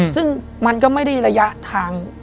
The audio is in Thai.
ซึ่งมันก็ไม่ได้ระยะทาง